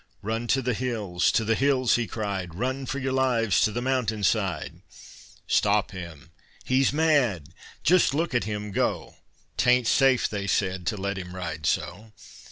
"Run to the hills! to the hills!" he cried; "Run for your lives to the mountain side!" "Stop him! he's mad! just look at him go! 'Tain't safe," they said, "to let him ride so."